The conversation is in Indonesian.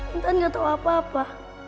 intan gak tahu apa apa